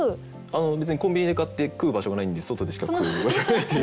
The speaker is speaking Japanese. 別にコンビニで買って食う場所がないんで外でしか食う場所がないっていう。